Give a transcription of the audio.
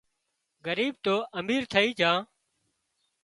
ڳريٻ تو امير ٿئي جھان